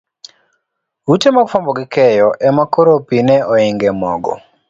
Ute mag fuambo gi keyo ema koro pi ne ohinge mogo.